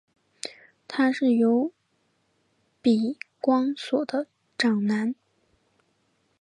他是由比光索的长男。